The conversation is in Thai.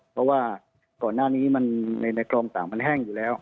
เพราะว่าก่อนหน้านี้ในกลองต่างมันแห้งอยู่แล้ว